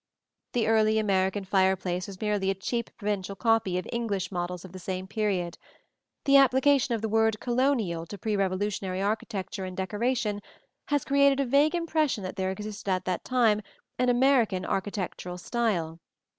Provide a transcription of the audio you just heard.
The early American fireplace was merely a cheap provincial copy of English models of the same period. The application of the word "Colonial" to pre Revolutionary architecture and decoration has created a vague impression that there existed at that time an American architectural style.